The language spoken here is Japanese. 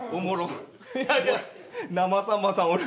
いやいや生さんまさんおる。